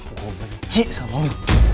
aku benci sama lu